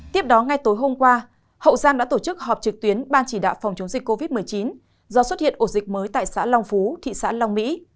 tiếp đó ngay tối hôm qua hậu giang đã tổ chức họp trực tuyến ban chỉ đạo phòng chống dịch covid một mươi chín do xuất hiện ổ dịch mới tại xã long phú thị xã long mỹ